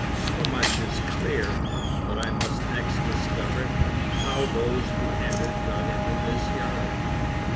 So much is clear, but I must next discover how those who entered got into this yard."